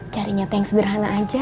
cari nyata yang sederhana aja